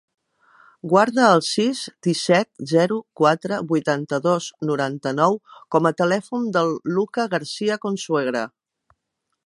Guarda el sis, disset, zero, quatre, vuitanta-dos, noranta-nou com a telèfon del Lucca Garcia Consuegra.